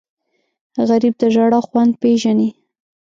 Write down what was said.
غریب د ژړا خوند پېژني